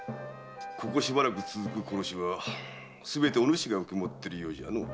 ここしばらく続く殺しはすべてお主が受け持っているようだの？